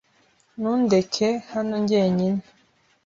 Ntundeke hano jyenyine.